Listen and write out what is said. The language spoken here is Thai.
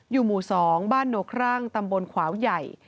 อยู่หมู่๒บ้านโนครั่งตำบลขวาวใหญ่